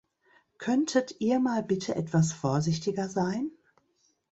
Könntet ihr mal bitte etwas vorsichtiger sein?